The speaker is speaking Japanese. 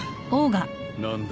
何だ？